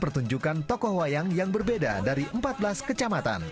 pertunjukan tokoh wayang yang berbeda dari empat belas kecamatan